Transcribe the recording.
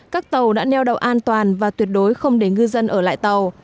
các tàu đã neo đậu an toàn và tuyệt đối không để ngư dân ở lại tàu